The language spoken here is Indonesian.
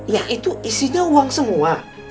ya itu isinya uang semua